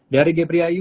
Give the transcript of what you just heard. dari gebri ayu